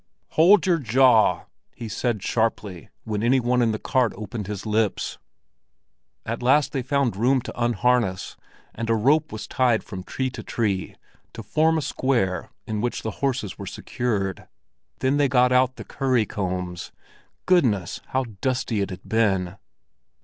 "Hold your jaw!" he said sharply, when any one in the cart opened his lips. At last they found room to unharness, and a rope was tied from tree to tree to form a square in which the horses were secured. Then they got out the curry combs—goodness, how dusty it had been!